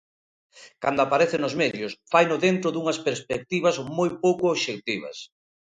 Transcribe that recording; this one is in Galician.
Cando aparece nos medios, faino dentro dunhas perspectivas moi pouco obxectivas.